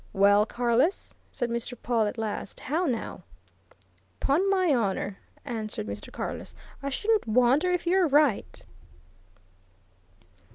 "Well, Carless?" said Mr. Pawle at last. "How now?" "'Pon my honour," answered Mr. Carless, "I shouldn't wonder if you're right!"